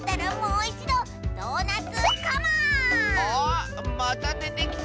あっまたでてきた！